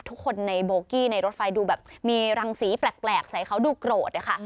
ทุกคนในโบกี้ในรถไฟดูแบบมีรังสีแปลกใส่เขาดูโกรธอะค่ะ